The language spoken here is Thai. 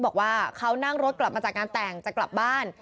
บอกว่าเขานั่งรถกลับมาจากงานแต่งจะกลับบ้าน